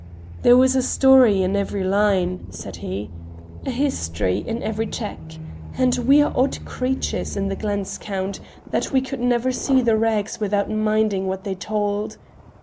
"There was a story in every line," said he, "a history in every check, and we are odd creatures in the glens, Count, that we could never see the rags without minding what they told.